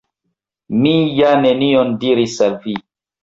Mi ja nenion diris al vi!